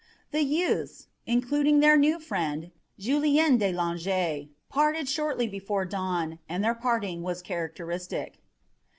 The youths, including their new friend, Julien de Langeais, parted shortly before dawn, and their parting was characteristic.